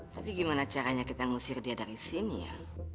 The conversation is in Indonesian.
tapi gimana caranya kita ngusir dia dari sini ya